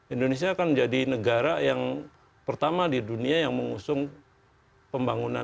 indonesia akan menjadi negara yang pertama di dunia yang mengusung pembangunan